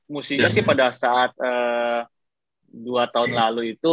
mestinya sih pada saat dua tahun lalu itu